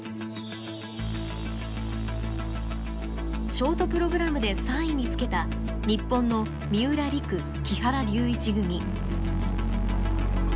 ショートプログラムで３位につけた日本の三浦璃来木原龍一組。